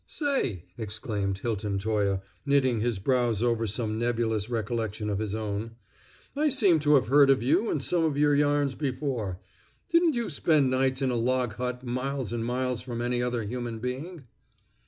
"Say!" exclaimed Hilton Toye, knitting his brows over some nebulous recollection of his own. "I seem to have heard of you and some of your yarns before. Didn't you spend nights in a log hut miles and miles from any other human being?"